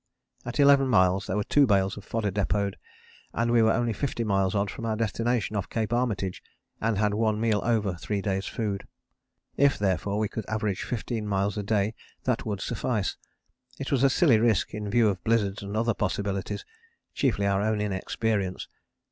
At eleven miles there were two bales of fodder depôted, we were only 50 miles odd from our destination off Cape Armitage, and had one meal over three days' food. If, therefore, we could average 15 miles a day that would suffice. It was a silly risk in view of blizzards and other possibilities, chiefly our own inexperience.